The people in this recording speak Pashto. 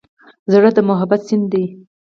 زړه د محبت سیند دی.